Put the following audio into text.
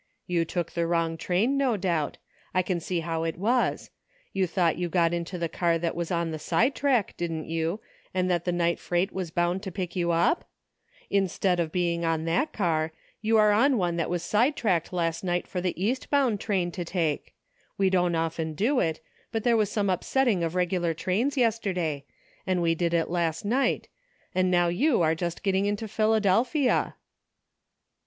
" You took the wrong train, no doubt. I can see how it was. You thought you got into the car that was on the side track, didn't you, and that th« night freight was bound to pick you up ? In A NEW FRIEND. 73 Stead of being on that car, you are on one that was side tracked last night for the east bound ■train to take. We don't often do it ; but there was some upsetting of regular trains yesterday, and we did it last night, and now you are just getting into Philadelphia."